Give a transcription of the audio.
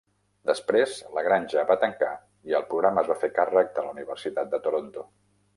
Després, la granja va tancar i el programa es va fer càrrec de la Universitat de Toronto.